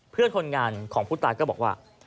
เพื่อนคนงานของผู้ตายก็บอกว่า